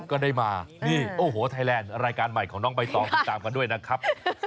ก็ได้มานี่โอ้โหไทยแลนด์รายการใหม่ของน้องใบตองติดตามกันด้วยนะครับ